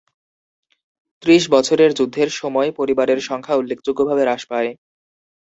ত্রিশ বছরের যুদ্ধের সময় পরিবারের সংখ্যা উল্লেখযোগ্যভাবে হ্রাস পায়।